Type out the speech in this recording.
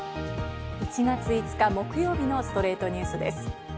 １月５日、木曜日の『ストレイトニュース』です。